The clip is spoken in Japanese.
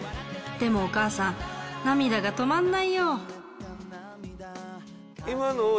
でもお母さん涙が止まんないよ！！！